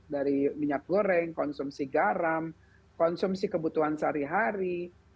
dari minyak goreng konsumsi garam konsumsi kebutuhan sehari hari